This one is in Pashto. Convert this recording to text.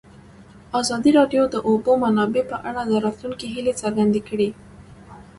ازادي راډیو د د اوبو منابع په اړه د راتلونکي هیلې څرګندې کړې.